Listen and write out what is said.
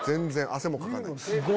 汗もかかないです。